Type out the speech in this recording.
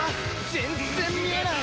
全然見えない！